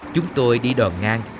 chúng tôi đi đoàn ngang